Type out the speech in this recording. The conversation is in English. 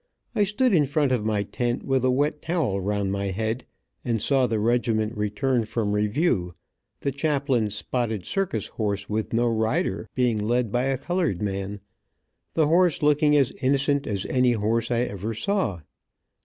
I stood in front of my tent with a wet towel around my head, and saw the regiment return from review, the chaplain's spotted circus horse with no rider, being led by a colored man, the horse looking as innocent as any horse I ever saw.